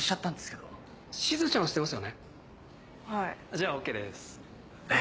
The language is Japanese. じゃあＯＫです。え。